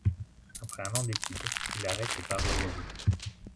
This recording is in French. Après un an d'étude, il arrête et part voyager.